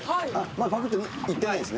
ぱくっていってないんですね。